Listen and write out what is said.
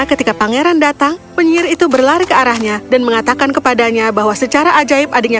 ketika pangeran datang penyir itu berlari ke arahnya dan mengatakan kepadanya bahwa secara ajaib adiknya